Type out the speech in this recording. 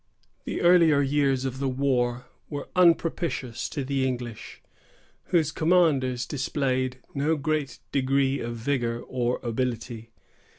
The earlier years of the war were unpropitious to the English, whose commanders displayed no great degree of vigor or ability.